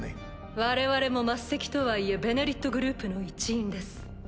我々も末席とはいえ「ベネリット」グループの一員です。